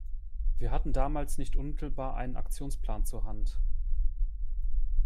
Wir hatten damals nicht unmittelbar einen Aktionsplan zur Hand.